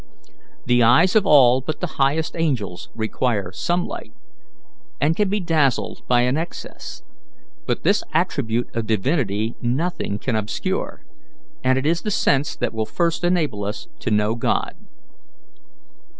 The eyes of all but the highest angels require some light, and can be dazzled by an excess; but this attribute of divinity nothing can obscure, and it is the sense that will first enable us to know God.